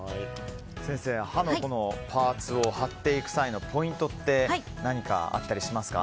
先生、葉のパーツを貼っていく際のポイントって何かあったりしますか？